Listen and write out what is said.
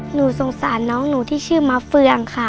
หนูสงสารน้องหนูที่ชื่อมะเฟืองค่ะ